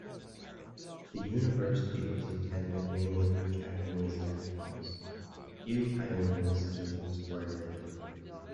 The University was intended mainly for Japanese nationals; few Taiwanese students were admitted.